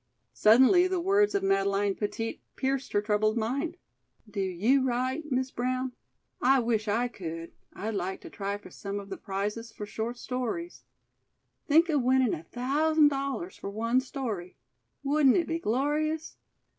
Suddenly the words of Madeleine Petit pierced her troubled mind. "Do you write, Miss Brown? I wish I could. I'd like to try for some of the prizes for short stories. Think of winning a thousand dollars for one story! Wouldn't it be glorious?